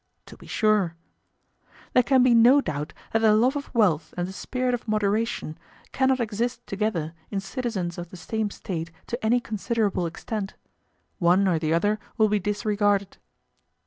To be sure. There can be no doubt that the love of wealth and the spirit of moderation cannot exist together in citizens of the same state to any considerable extent; one or the other will be disregarded.